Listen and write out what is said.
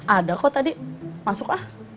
ada kok tadi masuk ah